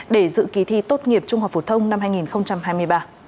để dự kỳ thi tốt nghiệp trung học phổ thông năm hai nghìn hai mươi ba